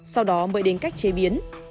sau đó mới đến cách chế biến